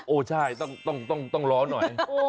โอ้ใช่ต้องรอหน่อย